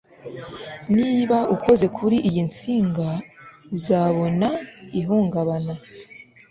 Niba ukoze kuri iyo nsinga uzabona ihungabana